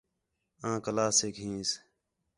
آں کلاسیک ہینس